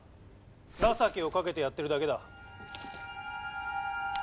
情けをかけてやっているだけだ。